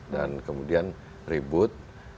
dan kemudian ribut